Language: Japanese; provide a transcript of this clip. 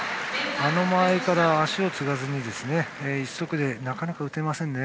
あの間合いから足を継がずに一足ではなかなか打てませんね。